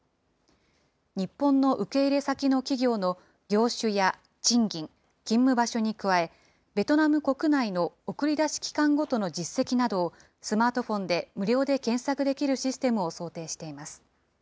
日本の受け入れ先の企業の業種や賃金、勤務場所に加え、ベトナム国内の送り出し機関ごとの実績などを、スマートフォンで無料で検索できるシステムを想定しています。